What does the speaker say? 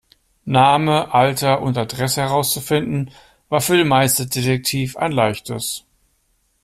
Name, Alter und Adresse herauszufinden, war für den Meisterdetektiv ein Leichtes.